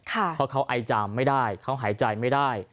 เพราะเขาไอจามไม่ได้เขาหายใจไม่ได้